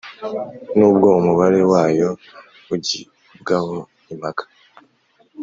n'ubwo umubare wayo ugibwaho impaka,